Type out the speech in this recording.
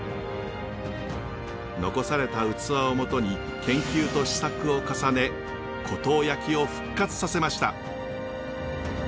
残された器をもとに研究と試作を重ね湖東焼を復活させました。